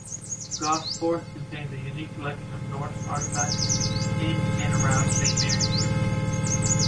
Gosforth contains a unique collection of Norse artefacts in and around Saint Mary's Church.